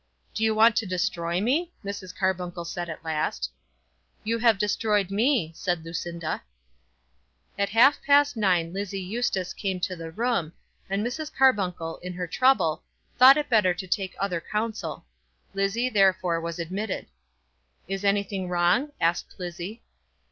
"Do you want to destroy me?" Mrs. Carbuncle said at last. "You have destroyed me," said Lucinda. At half past nine Lizzie Eustace came to the room, and Mrs. Carbuncle, in her trouble, thought it better to take other counsel. Lizzie, therefore, was admitted. "Is anything wrong?" asked Lizzie.